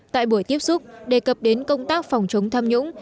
tại buổi tiếp xúc đề cập đến công tác phòng chống tham nhũng